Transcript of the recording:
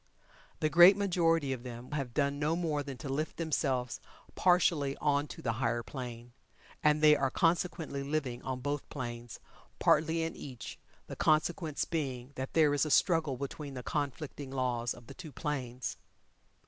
The great majority of them have done no more than to lift themselves partially on to the higher plane, and they are consequently living on both planes, partly in each, the consequence being that there is a struggle between the conflicting laws of the two planes.